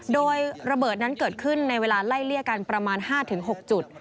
โดยระเบิดนั้นเกิดขึ้นในเวลาไล่เลี่ยกันประมาณ๕๖จุด